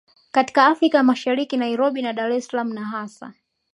katika Afrika ya Mashariki Nairobi na Dar es Salaam na hasa